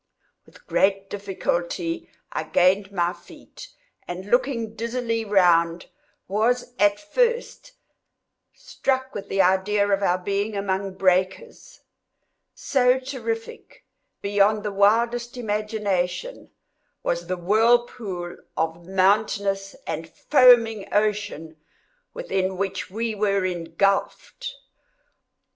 With great difficulty I gained my feet, and looking dizzily around, was, at first, struck with the idea of our being among breakers; so terrific, beyond the wildest imagination, was the whirlpool of mountainous and foaming ocean within which we were engulfed.